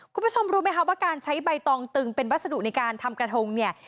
คุณผู้ชมรู้ไหมคะว่าการใช้ใบตองตึงเป็นวัสดุในการทำกระทงเนี่ย